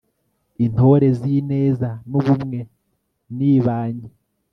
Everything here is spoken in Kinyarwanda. intore zineza n'ubumwe nibanye